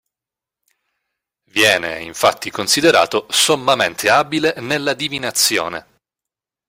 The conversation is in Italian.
Viene, infatti, considerato sommamente abile nella divinazione.